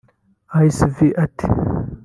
Ice V ati